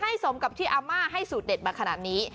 สมกับที่อาม่าให้สูตรเด็ดมาขนาดนี้